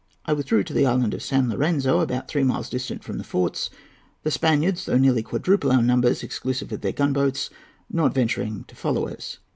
I withdrew to the island of San Lorenzo, about three miles distant from the forts; the Spaniards, though nearly quadruple our numbers, exclusive of their gunboats, not venturing to follow us.